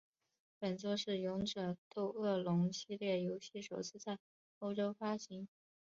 本作是勇者斗恶龙系列游戏首次在欧洲发行。